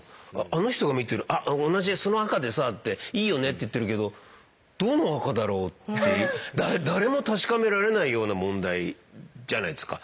あの人が見てる「あっ同じその赤でさ」って「いいよね」って言ってるけどどの赤だろうって誰も確かめられないような問題じゃないですか。